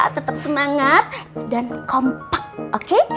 tetap semangat dan kompak oke